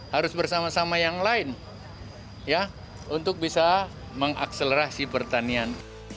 harus bersama sama yang lain untuk bisa mengakselerasi pertanian